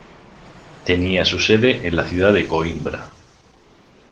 Tenía su sede en la ciudad de Coímbra.